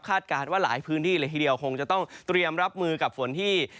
การว่าหลายพื้นที่เลยทีเดียวคงจะต้องเตรียมรับมือกับฝนที่